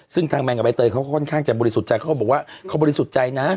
ซึ่งทางแมงกับใบเตยเขาก็ค่อนข้างจะบริสุทธิ์ใจเขาก็บอกว่าเขาบริสุทธิ์ใจนะ